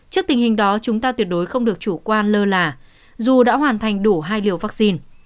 trước tình hình đó chúng ta tuyệt đối không được chủ quan lơ là dù đã hoàn thành đủ hai liều vaccine